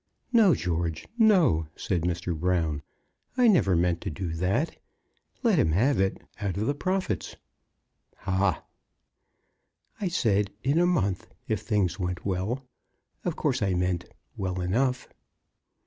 "No, George, no," said Mr. Brown. "I never meant to do that. Let him have it out of the profits." "Ha!" "I said in a month, if things went well. Of course, I meant, well enough."